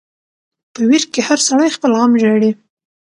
په ویر کی هر سړی خپل غم ژاړي .